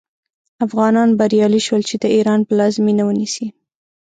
افغانان بریالي شول چې د ایران پلازمینه ونیسي.